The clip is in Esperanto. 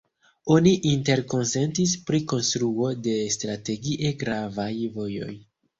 Oni interkonsentis pri konstruo de strategie gravaj vojoj.